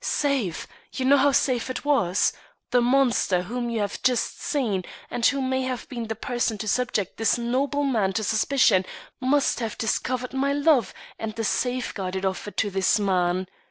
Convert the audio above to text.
Safe! You know how safe it was. The monster whom you have just seen, and who may have been the person to subject this noble man to suspicion, must have discovered my love and the safeguard it offered to this man.